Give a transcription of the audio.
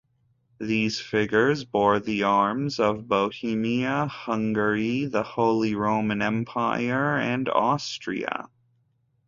These figures bore the arms of Bohemia, Hungary, the Holy Roman Empire, and Austria.